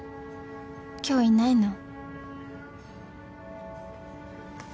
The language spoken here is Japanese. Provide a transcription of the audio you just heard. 今日いないの？」。